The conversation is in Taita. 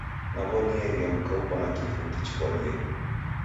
Naw'onieghe mka uko na kifu ukichiw'adia.